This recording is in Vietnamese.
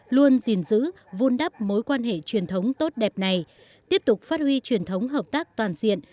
luôn gìn giữ vun đắp mối quan hệ truyền thống tốt đẹp này tiếp tục phát huy truyền thống hợp tác toàn diện